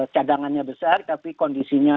cadangannya besar tapi kondisinya